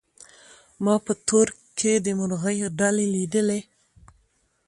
ما په تور کي د مرغۍ ډلي لیدلې